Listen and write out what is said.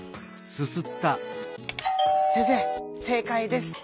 「先生せいかいです！」。